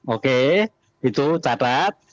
oke itu catat